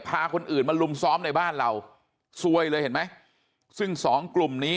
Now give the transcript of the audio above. พาคนอื่นมาลุมซ้อมในบ้านเราซวยเลยเห็นไหมซึ่งสองกลุ่มนี้